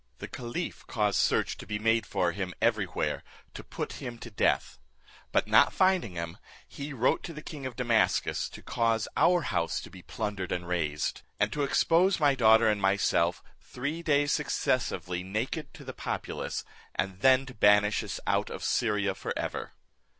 The caliph caused search to be made for him every where, to put him to death; but not finding him, he wrote to the king of Damascus, to cause our house to be plundered and razed, and to expose my daughter and myself three days successively, naked, to the populace, and then to banish us out of Syria for ever.